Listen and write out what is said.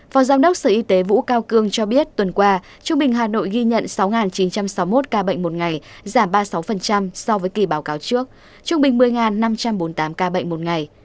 phó giám đốc sở y tế vũ cao cương cho biết tuần qua trung bình hà nội ghi nhận sáu chín trăm sáu mươi một ca bệnh một ngày giảm ba mươi sáu so với kỳ báo cáo trước trung bình một mươi năm trăm bốn mươi tám ca bệnh một ngày